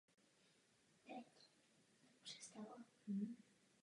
Obě budovy jsou kulturními památkami České republiky.